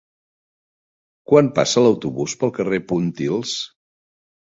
Quan passa l'autobús pel carrer Pontils?